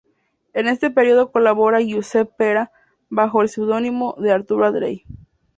En este periodo colabora Giuseppe Pera, bajo el seudónimo de "Arturo Andrei".